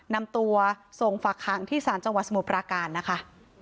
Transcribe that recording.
นำตัวส่งฝากหางที่ศาลจังหวัดสมุทรปราการนะคะ